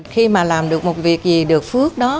khi mà làm được một việc gì được phước đó